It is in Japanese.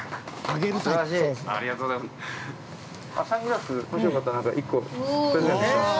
ありがとうございます。